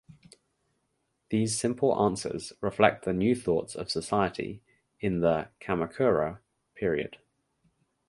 These simple answers reflect the new thoughts of society in the Kamakura period.